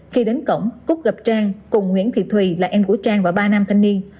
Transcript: khi đến cổng cúc gặp trang cùng nguyễn thị thùy là em của trang và ba nam thanh niên